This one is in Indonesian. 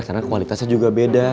karena kualitasnya juga beda